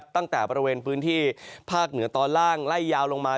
ตั้งแต่บริเวณพื้นที่ภาคเหนือตอนล่างไล่ยาวลงมา